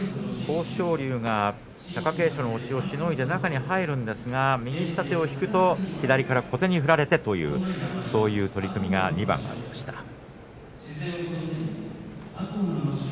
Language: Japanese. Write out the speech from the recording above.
豊昇龍が貴景勝の押しをしのいで中に入るんですが右下手を引くと左から小手に振られるというそういう取組が２番ありました。